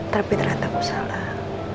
tapi ternyata aku salah